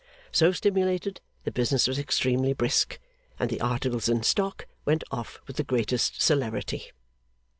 So stimulated, the business was extremely brisk, and the articles in stock went off with the greatest celerity.